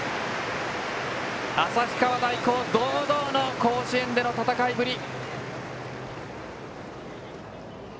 旭川大高堂々の甲子園での戦いぶり。